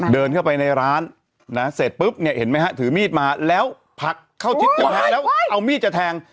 เดินเข้าไปในร้านนะเสร็จปุ๊บเนี่ยเห็นไหมฮะถือมีดมาแล้วผลักเข้าทิศทางแล้วเอามีดจะแทง